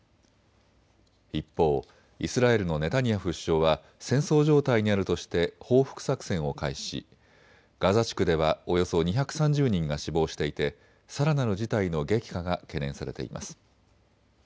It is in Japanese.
一方、イスラエルのネタニヤフ首相は戦争状態にあるとして報復作戦を開始しガザ地区ではおよそ２３０人が死亡していて、さらなる事態の激化が懸念されています。